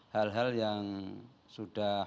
hal hal yang sudah